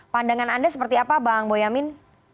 pandangan anda seperti apa bang boyamin